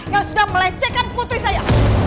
yang sudah melecehkan putri saya